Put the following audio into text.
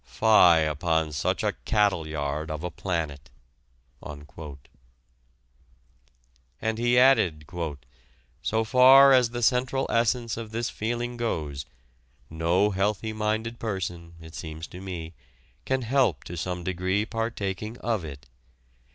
Fie upon such a cattleyard of a planet!" And he added: "So far as the central essence of this feeling goes, no healthy minded person, it seems to me, can help to some degree partaking of it.